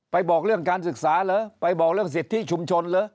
ไปบอกเรื่องการศึกษาเหรอ